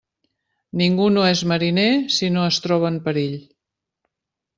Ningú no és mariner si no es troba en perill.